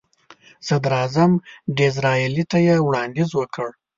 صدراعظم ډیزراییلي ته یې وړاندیز وکړ.